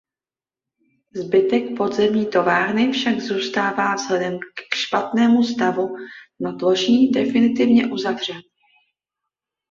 Zbytek podzemní továrny však zůstává vzhledem k špatnému stavu nadloží definitivně uzavřen.